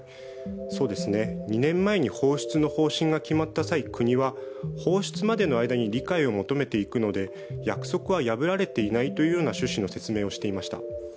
２年前に放出の方針が決まった際、国は放出までの間に理解を求めていくので約束は破られていないというような趣旨の説明をしていました。